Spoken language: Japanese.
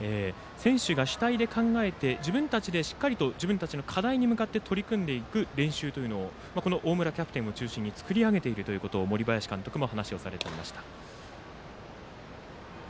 選手が主体で考えて自分たちでしっかりと自分たちの課題に向かって取り組んでくという練習というのを大村キャプテンを中心に作り上げているということを森林監督も話をされていました。